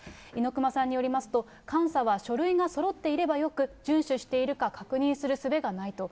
猪熊さんによりますと、監査は書類がそろっていればよく、順守しているか確認するすべがないと。